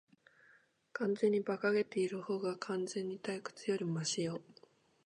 完全に馬鹿げているほうが、完全に退屈よりマシよ。